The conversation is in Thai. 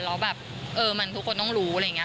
แล้วแบบเออมันทุกคนต้องรู้อะไรอย่างนี้